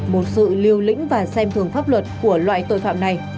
một sự liều lĩnh và xem thường pháp luật của loại tội phạm này